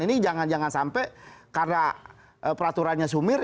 ini jangan jangan sampai karena peraturannya sumir